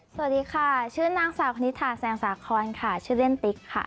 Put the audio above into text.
สวัสดีค่ะชื่อนางสาวคณิธาแสงสาคอนค่ะชื่อเล่นติ๊กค่ะ